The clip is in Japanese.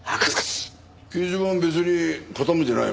掲示板別に傾いてないよ